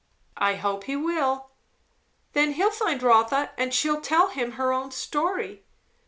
"I hope he will." "Then he'll find Rotha, and she'll tell him her own story."